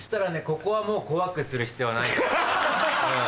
ここはもう怖くする必要はないんだよ。